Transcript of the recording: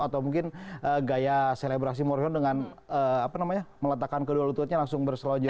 atau gaya selebrasi morino dengan meletakkan kedua lututnya langsung berselonjor